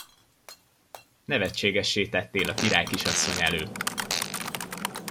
Nevetségessé tettél a királykisasszony előtt!